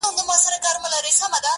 په رڼا كي يې پر زړه ځانمرگى وسي ـ